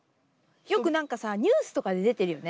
よく何かさニュースとかで出てるよね。